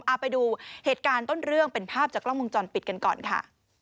เอาไปดูเหตุการณ์ต้นเรื่องเป็นภาพจากกล้องวงจรปิดกันก่อนค่ะ